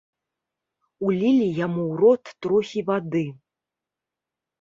Улілі яму ў рот трохі вады.